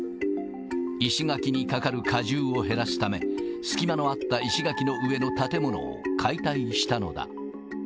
石垣にかかる荷重を減らすため、隙間のあった石垣の上の建物を解体したのだ。